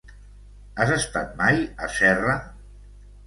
Has estat mai a Serra?